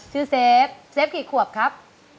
เซฟเซฟกี่ขวบครับ